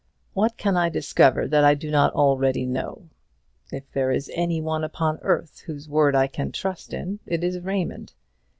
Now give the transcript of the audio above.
"What can I discover that I do not already know? If there is any one upon earth whose word I can trust in, it is Raymond.